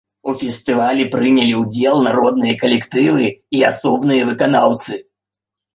У фестывалі прынялі ўдзел народныя калектывы і асобныя выканаўцы.